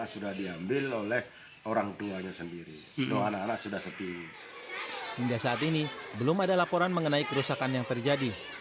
setelah banyak kerusakan yang terjadi